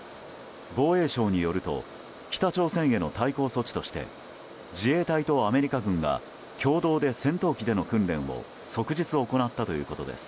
防衛省によると北朝鮮への対抗措置として自衛隊とアメリカ軍が共同で、戦闘機での訓練を即日行ったということです。